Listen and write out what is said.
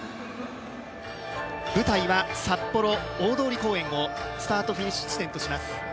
舞台は札幌・大通公園をスタートフィニッシュ地点とします。